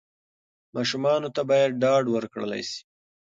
ماشومانو ته باید ډاډ ورکړل سي.